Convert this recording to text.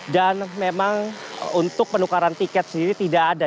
dan memang untuk penukaran tiket sendiri tidak ada